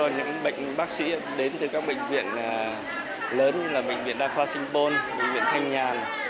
những bệnh bác sĩ đến từ các bệnh viện lớn như là bệnh viện đa khoa sinh pôn bệnh viện thanh nhàn